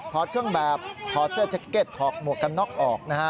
ถอดเครื่องแบบถอดเสื้อแจ็คเก็ตถอดหมวกกันน็อกออกนะฮะ